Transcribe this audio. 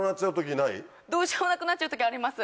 どうしようもなくなっちゃう時あります。